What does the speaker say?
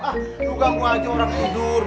nah juga aku aja orang tidur